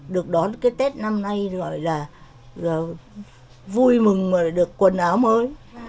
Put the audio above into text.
được đón cái tết năm nay gọi là vui mừng được quần áo mới